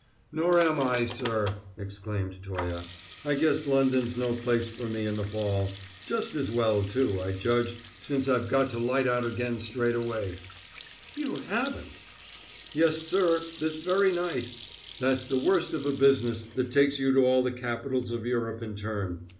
"Nor am I, sir!" exclaimed Toye. "I guess London's no place for me in the fall. Just as well, too, I judge, since I've got to light out again straight away." "You haven't!" "Yes, sir, this very night. That's the worst of a business that takes you to all the capitals of Europe in turn.